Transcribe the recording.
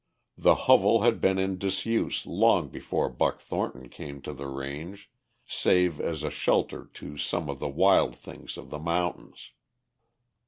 The hovel had been in disuse long before Buck Thornton came to the range save as a shelter to some of the wild things of the mountains.